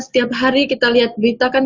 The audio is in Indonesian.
setiap hari kita lihat berita kan